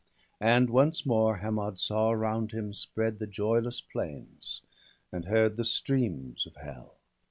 And once more Hermod saw around him spread The joyless plains, and heard the streams of Hell.